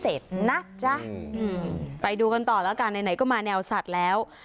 เป็นพิเศษนะจ๊ะอืมไปดูกันต่อแล้วกันไหนก็มาแนวสัตว์แล้ว